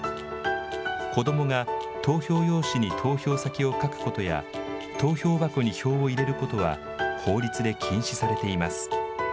子どもが投票用紙に投票先を書くことや、投票箱に票を入れることは法律で禁止されています。